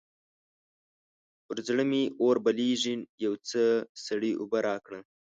پر زړه مې اور بلېږي؛ يو څه سړې اوبه راکړه.